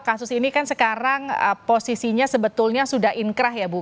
kasus ini kan sekarang posisinya sebetulnya sudah inkrah ya bu